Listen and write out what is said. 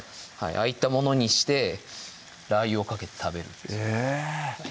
ああいったものにしてラー油をかけて食べるというえ